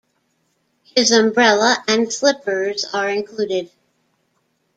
His umbrella and slippers are included.